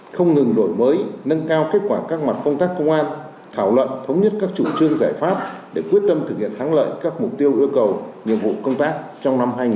không ngừng đổi mới nâng cao kết quả các mặt công tác công an thảo luận thống nhất các chủ trương giải pháp để quyết tâm thực hiện thắng lợi các mục tiêu yêu cầu nhiệm vụ công tác trong năm hai nghìn hai mươi